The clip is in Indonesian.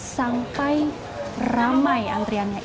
sampai ramai antriannya